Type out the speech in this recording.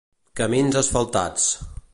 Camins asfaltats.